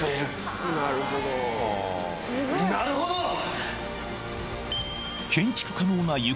なるほど！